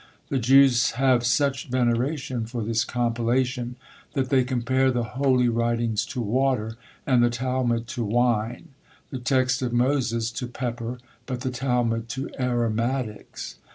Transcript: The Jews have such veneration for this compilation, that they compare the holy writings to water, and the Talmud to wine; the text of Moses to pepper, but the Talmud to aromatics.